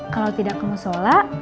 kalau tidak kamu sholat